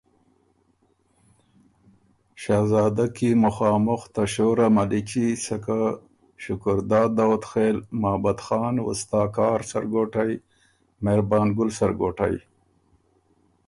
شهزاده کی مُخامُخ ته شور ا مَلِچي سکه شکرداد داؤدخېل، مهابت خان وُستاکارسرګوټئ، مهربانګل سرګوټئ،